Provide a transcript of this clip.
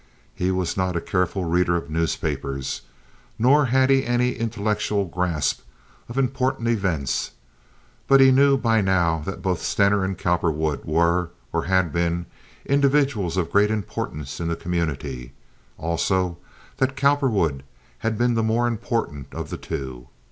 He was not a careful reader of newspapers, nor had he any intellectual grasp of important events; but he knew by now that both Stener and Cowperwood were, or had been, individuals of great importance in the community; also that Cowperwood had been the more important of the two.